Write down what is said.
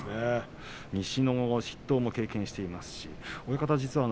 西の筆頭も経験しています。